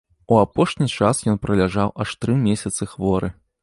У апошні час ён праляжаў аж тры месяцы хворы.